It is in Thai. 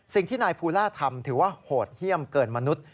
สิ่งที่นายภูล่าทำถือว่าโหดเยี่ยมเกินมนุษย์